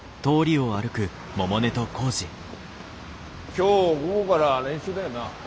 今日午後から練習だよな？